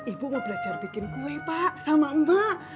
ibu mau belajar bikin kue pak sama mbak